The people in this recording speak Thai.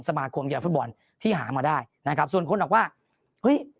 สมาคมกีฬาฟุตบอลที่หามาได้นะครับส่วนคนบอกว่าเฮ้ย